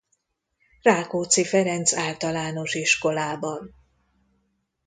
Rákóczi Ferenc Általános Iskolában.